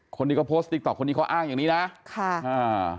คนที่เขาโพสต์ติ๊กต๊อคนนี้เขาอ้างอย่างนี้นะค่ะอ่า